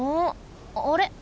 あれ？